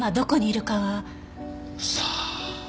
さあ？